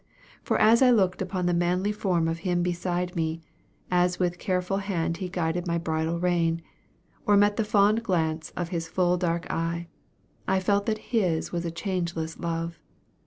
For as I looked upon the manly form of him beside me, as with careful hand he guided my bridal rein or met the fond glance of his full dark eye, I felt that his was a changeless love.